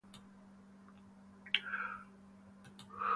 Mediterráneo central y oriental desde Cerdeña y el sur de Italia hacia el este.